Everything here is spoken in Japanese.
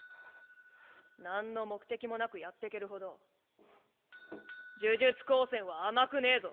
なんの目的もなくやってけるほど呪術高専は甘くねぇぞ。